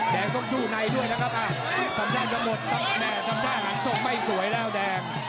แดงต้องสู้ในด้วยนะคะทำท่าจะหมดทำท่าหันทรงไม่สวยแล้วแดง